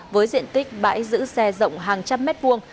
với diện tích bãi giữ xe rộng hàng trăm mét vuông